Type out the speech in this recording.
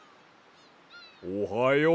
おはよう。